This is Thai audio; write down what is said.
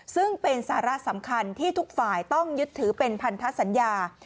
ซึ่งเป็นสาระสำคัญที่ทุกฝ่ายต้องยึดถือเป็นพันธสัญญา